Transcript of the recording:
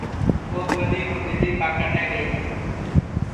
ٻو ٻولی ہوں ٻیلی پاکڑنے گئی تی